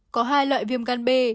có hai loại viêm gan b